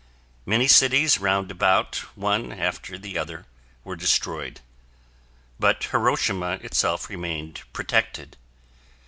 Many cities roundabout, one after the other, were destroyed, but Hiroshima itself remained protected.